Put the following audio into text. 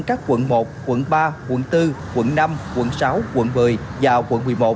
các quận một quận ba quận bốn quận năm quận sáu quận một mươi và quận một mươi một